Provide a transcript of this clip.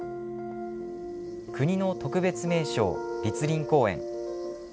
国の特別名勝栗林公園。